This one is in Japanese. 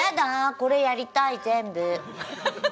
これやりたい全部。